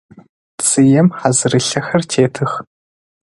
Цыем хьазырылъэхэр тетых.